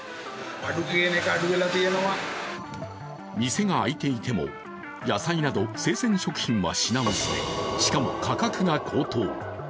店が開いていても野菜など生鮮食品は品薄でしかも価格が高騰。